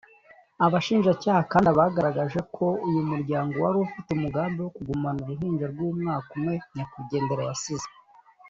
Abashinjacyaha kandi abagaragaje ko uyu muryango wari ufite umugambi wo kugumana uruhinja rw’umwaka umwe nyakwigendera yasize